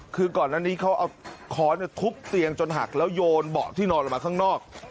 คือก่อนอันนี้เขาเอาค้อนทุบเตียงจนหักแล้วโยนเบาะที่นอนออกมาข้างนอก